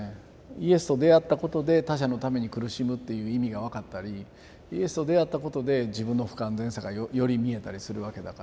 イエスと出会ったことで他者のために苦しむっていう意味が分かったりイエスと出会ったことで自分の不完全さがより見えたりするわけだから。